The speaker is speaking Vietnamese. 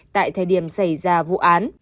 tại thời điểm xảy ra vụ án